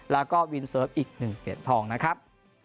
แล้วก็วินเซิร์ฟอีก๑เหรียญทองนะครับ